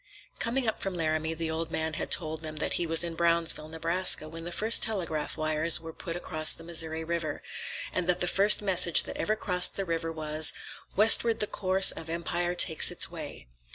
Coming up from Laramie, the old man had told them that he was in Brownsville, Nebraska, when the first telegraph wires were put across the Missouri River, and that the first message that ever crossed the river was "Westward the course of Empire takes its way."